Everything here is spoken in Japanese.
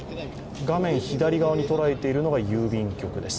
画面左側に捉えているのが郵便局です。